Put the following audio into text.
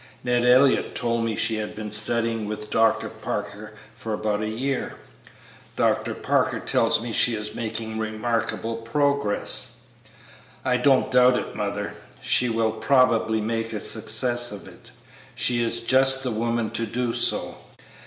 "Ned Elliott told me she had been studying with Dr. Parker for about a year." "Dr. Parker tells me she is making remarkable progress." "I don't doubt it, mother; she will probably make a success of it; she is just the woman to do so."